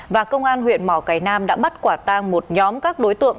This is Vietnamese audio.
và công an huyện mỏ cải nam đã bắt quả tang một nhóm các đối tượng